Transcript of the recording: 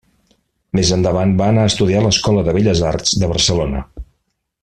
Més endavant va anar a estudiar a l'Escola de Belles Arts de Barcelona.